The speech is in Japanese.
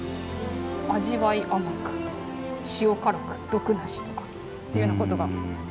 「味わい甘く塩辛く毒なし」とかっていうようなことが書かれてますね。